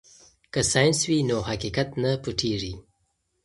که ساینس وي نو حقیقت نه پټیږي.